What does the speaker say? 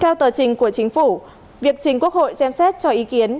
theo tờ trình của chính phủ việc trình quốc hội xem xét cho ý kiến